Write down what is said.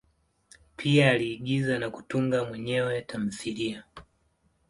Pia aliigiza na kutunga mwenyewe tamthilia.